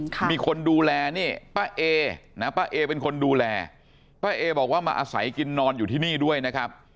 มีคนดูแลนี่ป้าเอนะป้าเอเป็นคนดูแลป้าเอบอกว่ามาอาศัยกินนอนอยู่ที่นี่ด้วยนะครับ